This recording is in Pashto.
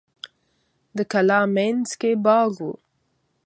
د کلا مینځ کې باغ و.